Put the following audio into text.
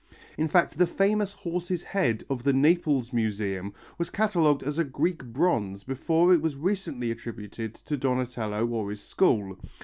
In fact the famous horse's head of the Naples Museum was catalogued as a Greek bronze before it was recently attributed to Donatello or his school.